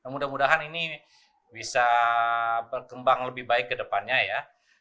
mudah mudahan ini bisa berkembang lebih baik ke depannya ya